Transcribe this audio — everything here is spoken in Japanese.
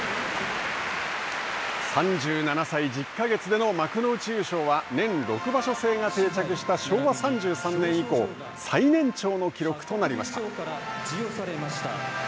３７歳１０か月での幕内優勝は年６場所制が定着した昭和３３年以降、最年長の記録となりました。